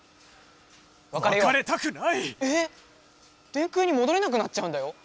電空にもどれなくなっちゃうんだよ。